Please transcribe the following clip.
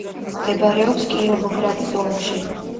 მდებარეობს კიროვოგრადის ოლქში.